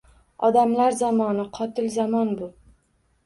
Odamlar zamoni, qotil zamon bu!